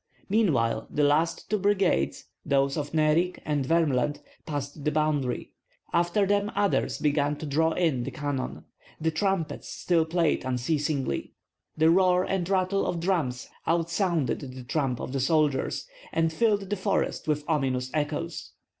Meanwhile the last two brigades, those of Nerik and Wermland, passed the boundary; after them others began to draw in the cannon; the trumpets still played unceasingly; the roar and rattle of drums outsounded the tramp of the soldiers, and filled the forest with ominous echoes.